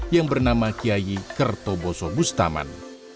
yang bernama kiai kertoboso bustaman